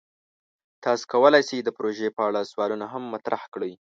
تاسو کولی شئ د پروژې په اړه سوالونه هم مطرح کړئ.